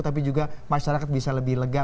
tapi juga masyarakat bisa lebih lega